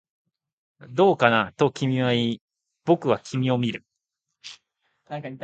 どうかな、と君は言い、僕は君を見る